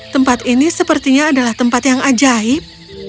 tempat ini sepertinya adalah tempat yang ajaib